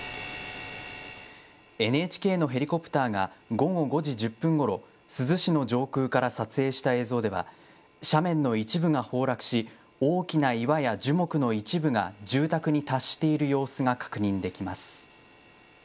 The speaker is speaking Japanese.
ＮＨＫのヘリコプターが午後５時１０分ごろ、珠洲市の上空から撮影した映像では、斜面の一部が崩落し、大きな岩や樹木の一部が住宅に達している様子が確認できます。